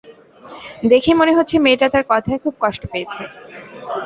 দেখেই মনে হচ্ছে মেয়েটা তার কথায় খুব কষ্ট পেয়েছে।